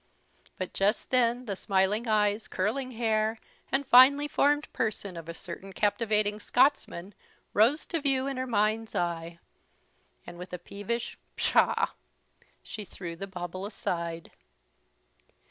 But just then the smiling eyes, curling hair, and finely formed person of a certain captivating Scotsman rose to view in her mind's eye; and, with a peevish "pshaw!" she threw the bauble aside.